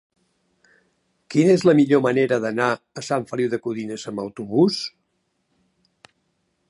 Quina és la millor manera d'anar a Sant Feliu de Codines amb autobús?